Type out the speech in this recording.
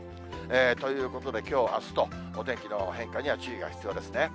ということで、きょう、あすとお天気の変化には注意が必要ですね。